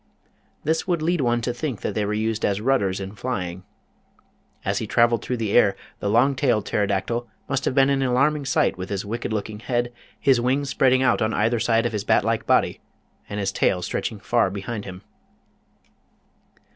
This would lead one to think that they were used as rudders in flying. As he traveled through the air the long tailed Pterodactyl must have been an alarming sight with his wicked looking head, his wings spreading out on either side of his bat like body, and his tail stretching far behind him.